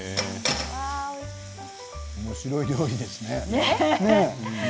おもしろい料理ですね。